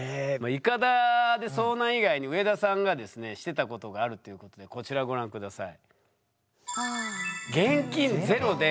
イカダで遭難以外に上田さんがですねしてたことがあるっていうことでこちらをご覧下さい。